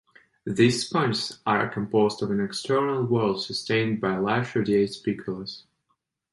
These sponges are composed of an external wall sustained by large radiate spicules.